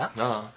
ああ。